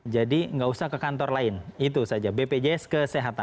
jadi nggak usah ke kantor lain itu saja bpjs kesehatan